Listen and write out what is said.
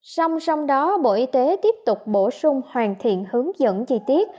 song song đó bộ y tế tiếp tục bổ sung hoàn thiện hướng dẫn chi tiết